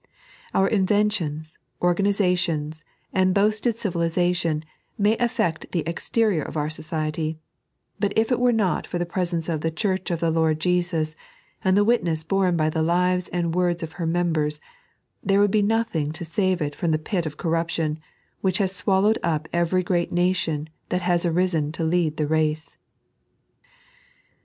Our inventions, organiza tions, and boasted civilisation, may affect the exterior of our society, but if it were not for the presence of the Church of the Zjord Jesus, and the witness borne by the lives and words of her members, there would be nothing to save it from the pit of corruption, which has swallowed up every great nation that has arisen to lead the race.